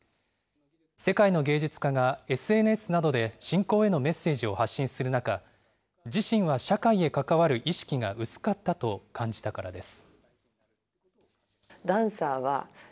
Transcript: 世界の芸術家が、ＳＮＳなどで侵攻へのメッセージを発信する中、自身は社会へ関わる意識が薄かったと感じたからです。